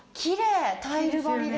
タイル張りで。